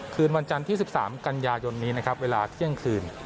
คืนวันจันทร์ที่๑๓กันยายนนี้นะครับเวลาเที่ยงคืน